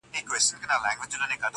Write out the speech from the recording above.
• پر پخواني حالت نوره هم زیاته کړي -